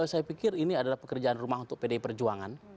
saya pikir ini adalah pekerjaan rumah untuk pdi perjuangan